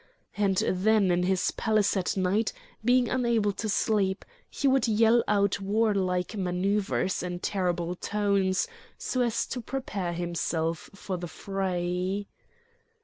And then in his palace at night, being unable to sleep, he would yell out warlike manouvres in terrible tones so as to prepare himself for the fray.